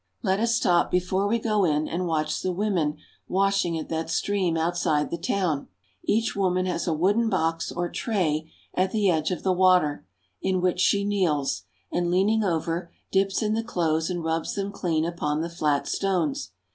Let us stop before we go in, and watch the women washing at that stream outside the town. Each woman has a wooden box or tray at the edge of the water, in which she kneels, and, leaning over, dips in the clothes and rubs them clean upon the flat stones.